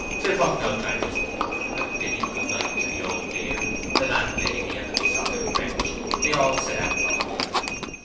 Philpot now drank his porter, and bidding 'good night' to the Old Dear, the landlady and the Besotted Wretch, they all set out for home.